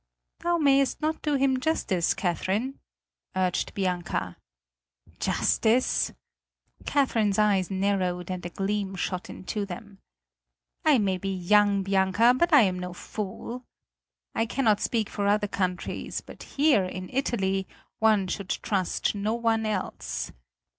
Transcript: "Thou mayst not do him justice, Catherine," urged Bianca. "Justice?" Catherine's eyes narrowed and a gleam shot into them. "I may be young, Bianca, but I am no fool. I cannot speak for other countries, but here in Italy one should trust no one else.